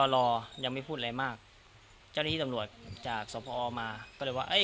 รอยังไม่พูดอะไรมากเจ้าหน้าที่ตำรวจจากสพอมาก็เลยว่าเอ้ย